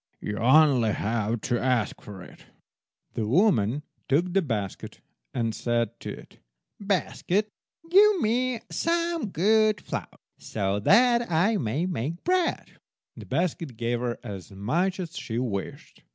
You only have to ask for it." The woman took the basket, and said to it— "Basket, give me some good flour, so that I may make bread." The basket gave her as much as she wished.